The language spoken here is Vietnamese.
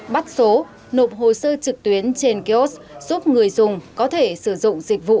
bắt số nộp hồ sơ trực tuyến trên kiosk giúp người dùng có thể sử dụng dịch vụ